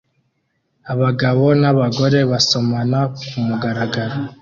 Abagabo n'abagore basomana kumugaragaro